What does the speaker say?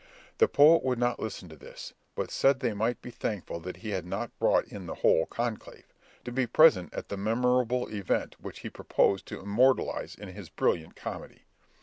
The poet would not listen to this, but said they might be thankful that he had not brought in the whole conclave, to be present at the memorable event which he proposed to immortalise in his brilliant comedy.